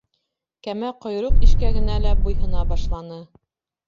Кәмә ҡойроҡ ишкәгенә лә буйһона башланы.